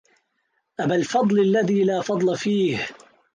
أبا الفضل الذي لا فضل فيه